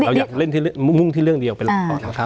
เราอยากงุ้งที่เรื่องเดียวไปเลย